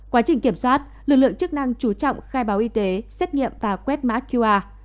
quá trình kiểm soát lực lượng chức năng chú trọng khai báo y tế xét nghiệm và quét mã qr